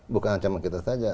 bukan ancaman kita saja